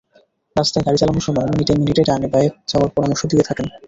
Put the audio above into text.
রাস্তায় গাড়ি চালানোর সময় মিনিটে মিনিটে ডানে-বাঁয়ে যাওয়ার পরামর্শ দিতে থাকেন।